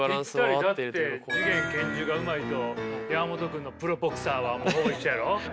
だって次元拳銃がうまいと山本君のプロボクサーはほぼ一緒やろ。